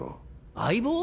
相棒？